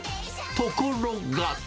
ところが。